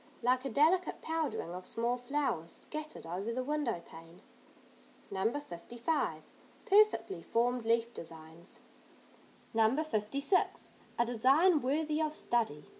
Like a delicate powdering of small flowers, scattered over the window pane. No. 55. Perfectly formed leaf designs. No. 56. A design worthy of study.